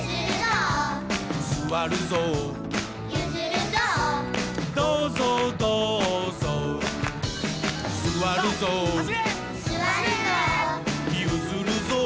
「すわるぞう」「どうぞうどうぞう」「すわるぞう」「ゆずるぞう」